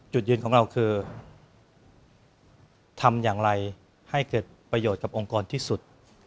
จุดยืนของเราคือทำอย่างไรให้เกิดประโยชน์กับองค์กรที่สุด